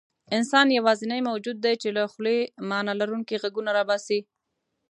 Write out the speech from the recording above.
انسان یواځینی موجود دی، چې له خولې معنیلرونکي غږونه راباسي.